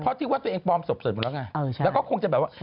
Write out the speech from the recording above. เพราะที่ว่าตัวเองปลอมสบสุดหมดแล้วก็คงจะแบบว่า